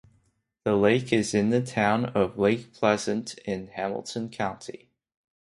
The lake is in the town of Lake Pleasant in Hamilton County.